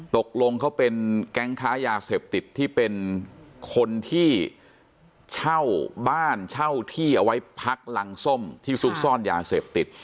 ตกลงเขาเป็นแก๊งค้ายาเสพติดที่เป็นคนที่เช่าบ้านเช่าที่เอาไว้พักรังส้มที่ซุกซ่อนยาเสพติด